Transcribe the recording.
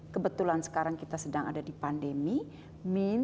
kebetulan sekarang kita sedang ada di pandemi